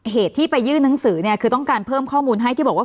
เหตุที่ไปยื่นหนังสือเนี่ยคือต้องการเพิ่มข้อมูลให้ที่บอกว่า